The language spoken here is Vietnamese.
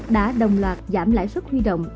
đã đồng loạt giảm lãi suất huy động